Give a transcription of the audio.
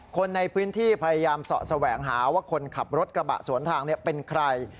คนในพื้นที่พยายามเสาะแสวงหาว่าคนขับรถกระบะสวนทางเป็นใคร